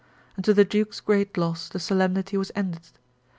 and to the duke's great loss, the solemnity was ended.